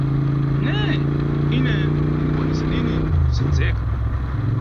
Neye, ine ndinikwanisa lini kusenzeka.